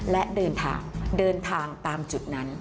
และเดินทางตามจุดนั้น